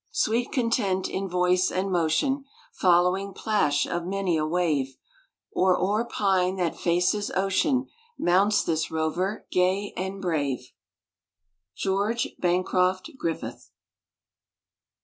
Sweet content in voice and motion; Following plash of many a wave; Or o'er pine that faces ocean Mounts this rover, gay and brave! —George Bancroft Griffith.